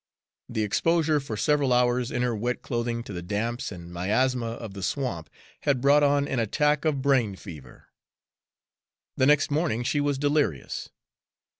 The exposure for several hours in her wet clothing to the damps and miasma of the swamp had brought on an attack of brain fever. The next morning, she was delirious.